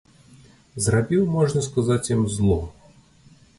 Зрабіў, можна сказаць, ім зло.